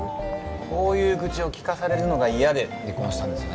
こういう愚痴を聞かされるのが嫌で離婚したんですよね？